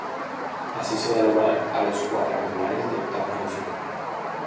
Así se da lugar a los cuadrangulares de octavos de final.